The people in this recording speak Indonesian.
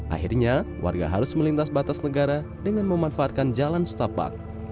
akhirnya warga harus melintas batas negara dengan memanfaatkan jalan setapak